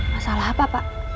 masalah apa pak